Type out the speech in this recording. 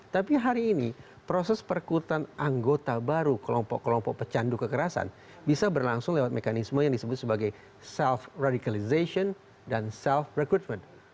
tapi hari ini proses perkutan anggota baru kelompok kelompok pecandu kekerasan bisa berlangsung lewat mekanisme yang disebut sebagai self radicalization dan self recruitment